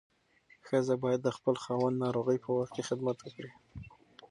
ښځه باید د خپل خاوند ناروغۍ په وخت کې خدمت وکړي.